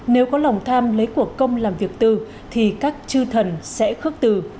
nếu có lòng tham lấy của công làm việc tư thì các chư thần sẽ khước tư